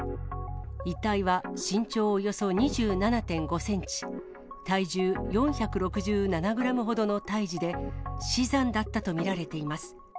遺体は身長およそ２７．５センチ、体重４６７グラムほどの胎児で、死産だったと見られています。